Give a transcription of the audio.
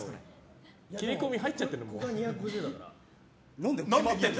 切り込み入っちゃってるもん。